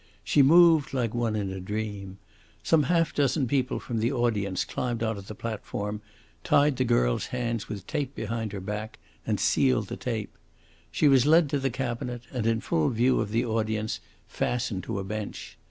She moved like one in a dream. Some half dozen people from the audience climbed on to the platform, tied the girl's hands with tape behind her back, and sealed the tape. She was led to the cabinet, and in full view of the audience fastened to a bench.